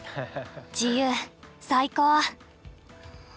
自由最高！